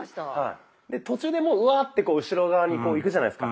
で途中でもううわってこう後ろ側にいくじゃないですか。